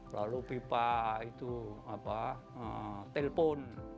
lalu pipa itu apa telepon